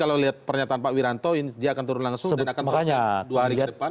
kalau lihat pernyataan pak wiranto dia akan turun langsung dan akan selesai dua hari ke depan